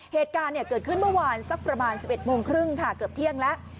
เหตุการณ์เกิดขึ้นเมื่อวานสักประมาณ๑๑โมงครึ่งค่ะเกือบเที่ยงแล้ว